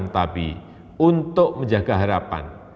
tetapi untuk menjaga harapan